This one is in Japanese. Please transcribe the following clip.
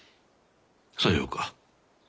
さようか。